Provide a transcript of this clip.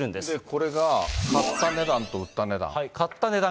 これが買った値段と売った値段。